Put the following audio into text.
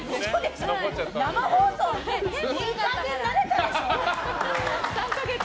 生放送いい加減慣れたでしょ？